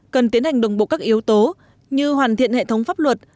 cần tiến hành đồng bộ các yếu tố như hoàn thiện hệ thống pháp luật